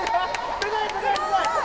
すごい！